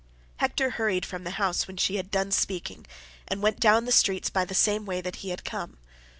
Hector hurried from the house when she had done speaking, and went down the streets by the same way that he had come.